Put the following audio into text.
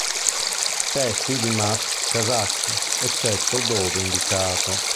Testi di Max Casacci, eccetto dove indicato.